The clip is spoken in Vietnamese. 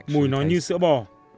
mùi nó như sữa bò